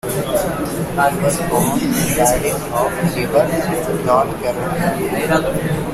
He was born and died in Haw River, North Carolina.